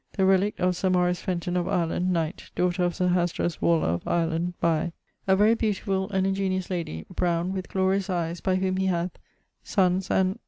the relict of Sir Fenton, of Ireland, knight, daughter of Sir Hasdras Waller of Ireland by ..., a very beautifull and ingeniose lady, browne, with glorious eies, by whom he hath ... sonnes, and